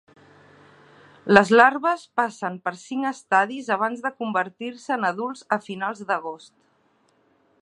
Les larves passen per cinc estadis abans de convertir-se en adults a finals d’agost.